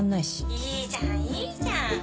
いいじゃんいいじゃん。